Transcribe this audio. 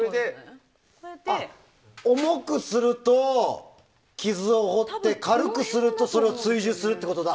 重くすると、傷を掘って軽くすると追従するってことだ。